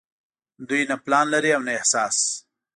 دوي نۀ پلان لري او نه احساس